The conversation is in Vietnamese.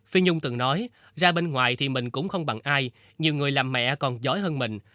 phi nhung từng nói ra bên ngoài thì mình cũng không bằng ai nhiều người làm mẹ còn giỏi hơn mình